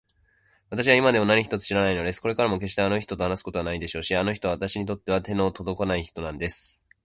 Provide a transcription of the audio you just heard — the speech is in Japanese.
わたしは今でも何一つ知らないのです。これからもけっしてあの人と話すことはないでしょうし、あの人はわたしにとっては手のとどかない人なんです。